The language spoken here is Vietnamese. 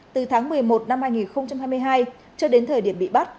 từ tháng một mươi một năm hai nghìn hai mươi hai cho đến thời điểm bị bắt